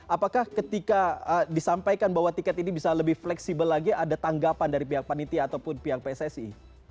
apakah ketika disampaikan bahwa tiket ini bisa lebih fleksibel lagi ada tanggapan dari pihak panitia ataupun pihak pssi